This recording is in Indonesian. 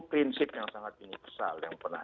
prinsip yang sangat universal yang pernah